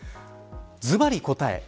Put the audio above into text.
ずばり答え。